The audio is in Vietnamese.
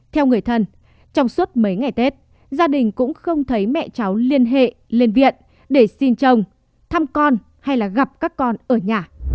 theo người thân trong suốt mấy ngày tết gia đình cũng không thấy mẹ cháu liên hệ lên viện để xin chồng thăm con hay là gặp các con ở nhà